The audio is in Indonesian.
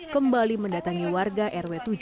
kembali mendatangi warga rw tujuh